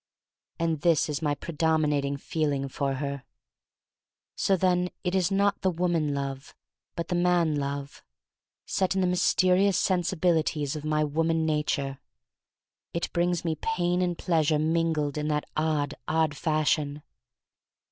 And this is my predominating feeling for her. So, then, it is not the woman love, but the man love, set in the mysterious sensibilities of my woman nature. It brings me pain and pleasure mingled in that odd, odd fashion.